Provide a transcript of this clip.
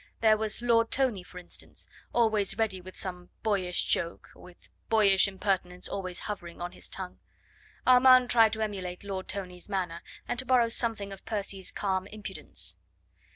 There was Lord Tony, for instance, always ready with some boyish joke, with boyish impertinence always hovering on his tongue. Armand tried to emulate Lord Tony's manner, and to borrow something of Percy's calm impudence.